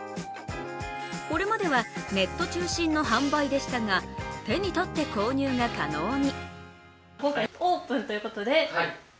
これまではネット中心の販売でしたが手に取って購入が可能に。